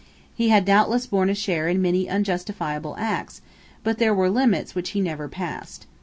He had doubtless borne a share in many unjustifiable acts; but there were limits which he never passed.